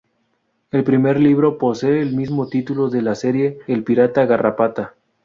El primer libro posee el mismo título de la serie, "El pirata Garrapata".